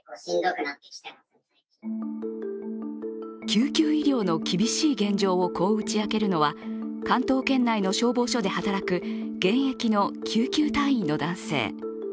救急医療の厳しい現状をこう打ち明けるのは、関東圏内の消防署で働く現役の救急隊員の男性。